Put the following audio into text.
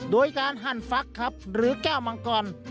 โดยการหั่นฟักครับหรือแก้วมังกร